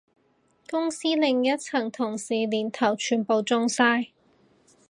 公司另一層同事年頭全部中晒